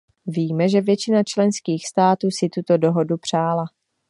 Víme, že většina členských států si tuto dohodu přála.